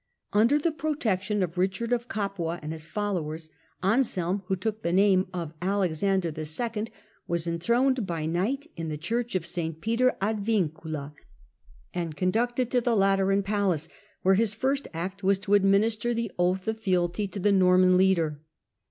Under the protection of Bichard of Capua and his followers, Anselm, who took the name of Alexander II., was enthroned by night in the church of St. Peter ad Vincula and conducted to the Lateran palace, where his first act was to administer the oath of fealty to the Norman leader.